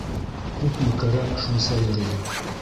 Күпме кәрәк, шунса йөрөйөм.